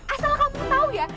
asal kamu tau ya